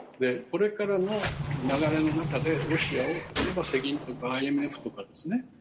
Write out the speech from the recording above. これからの流れの中でロシアを例えば世銀とかＩＭＦとかですね